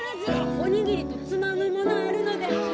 お握りとつまむものあるので。